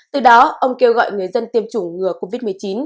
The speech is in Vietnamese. từ đó ông kêu gọi người dân tiêm chủng ngừa covid một mươi chín